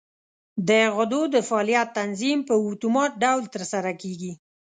د غدو د فعالیت تنظیم په اتومات ډول تر سره کېږي.